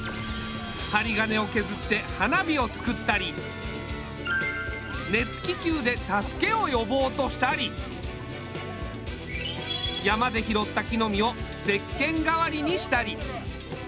はりがねをけずって花火を作ったり熱気球で助けをよぼうとしたり山で拾った木の実をせっけんがわりにしたり。